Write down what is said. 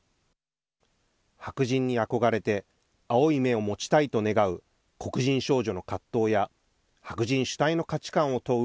白人に憧れて青い目を持ちたいと願う黒人少女の葛藤や白人主体の価値観を問う